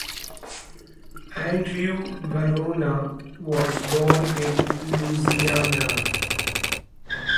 Andrew Varona was born in Louisiana.